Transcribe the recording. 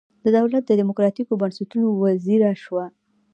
د دولت د دموکراتیکو بنسټونو وزیره شوه.